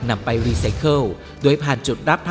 นำไปรีไซเคิล